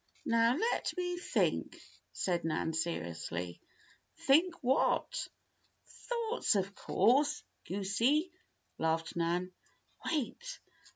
"Now let me think," said Nan, seriously. "Think what?" "Thoughts, of course, goosey!" laughed Nan. "Wait!